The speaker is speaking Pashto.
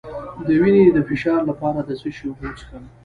د وینې د فشار لپاره د څه شي اوبه وڅښم؟